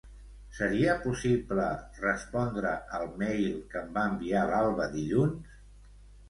Seria possible respondre el mail que em va enviar l'Alba dilluns?